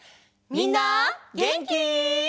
みんなげんき？